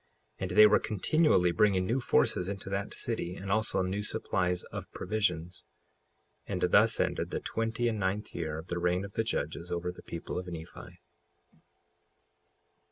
55:34 And they were continually bringing new forces into that city, and also new supplies of provisions. 55:35 And thus ended the twenty and ninth year of the reign of the judges over the people of Nephi.